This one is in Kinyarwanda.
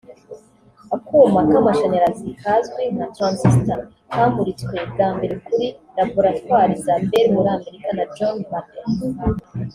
Akuma k’amashanyarazi kazwi nka transistor kamuritswe bwa mbere kuri laboratwari za Bell muri Amerika na John Bardeen